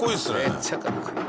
めっちゃかっこいい！